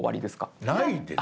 ないです。